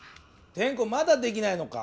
テンコまだできないのか？